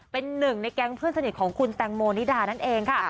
เป็นหนึ่งในแก๊งเพื่อนสนิทของคุณแตงโมนิดานั่นเองค่ะ